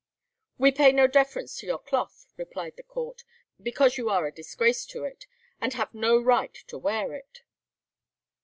"We pay no deference to your cloth," replied the court, "because you are a disgrace to it, and have no right to wear it."